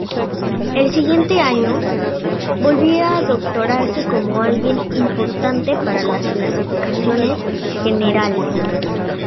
El siguiente año, volvió a doctorarse como alguien importante para las clasificaciones generales.